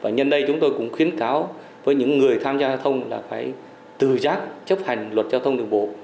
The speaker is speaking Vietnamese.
nhân đây chúng tôi cũng khuyến cáo với những người tham gia giao thông là phải tự giác chấp hành luật giao thông đường bộ